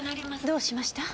どうしました？